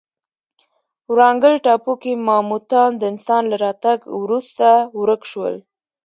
ورانګل ټاپو کې ماموتان د انسان له راتګ وروسته ورک شول.